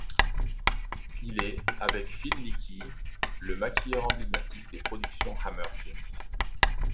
Il est, avec Phil Leakey, le maquilleur emblématique des productions Hammer Films.